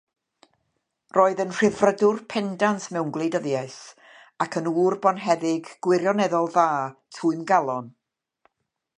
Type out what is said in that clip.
Roedd yn Rhyddfrydwr pendant mewn gwleidyddiaeth, ac yn ŵr bonheddig gwirioneddol dda, twymgalon.